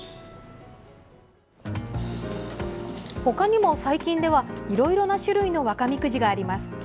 ほかにも最近ではいろいろな種類の和歌みくじがあります。